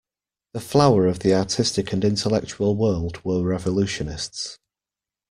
The flower of the artistic and intellectual world were revolutionists.